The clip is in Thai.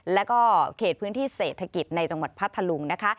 แล้วก็เขตพื้นที่เศรษฐกิจในจังหวัดพัทธลุงนะคะ